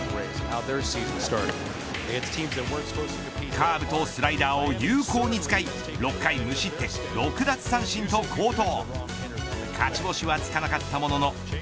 カーブとスライダーを有効に使い６回無失点６奪三振と好投。